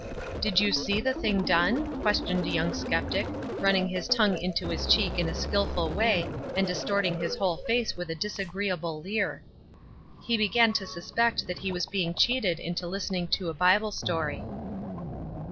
"Did you see the thing done?" questioned a young skeptic, running his tongue into his cheek in a skillful way, and distorting his whole face with a disagreeable leer. He began to suspect that he was being cheated into listening to a Bible story.